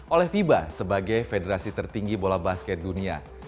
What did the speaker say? oleh fiba sebagai federasi tertinggi bola basket dunia